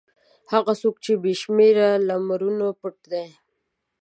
هغه څوک چې په بې شمېره لمرونو پټ دی.